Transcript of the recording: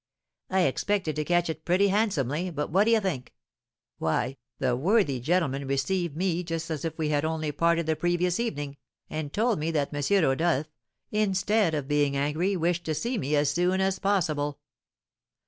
I expected to catch it pretty handsomely, but, what d'ye think? Why, the worthy gentleman received me just as if we had only parted the previous evening, and told me that M. Rodolph, instead of being angry, wished to see me as soon as possible.